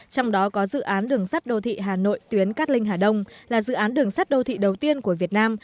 trong đó có dự án đường sắt đô thị hà nội tuyến cát linh hà đông là dự án đường sắt đô thị đầu tiên của việt nam